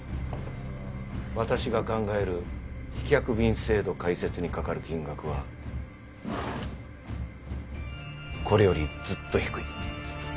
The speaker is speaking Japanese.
私が考える飛脚便制度開設にかかる金額はこれよりずっと低い。